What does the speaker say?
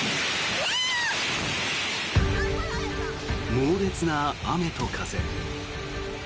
猛烈な雨と風。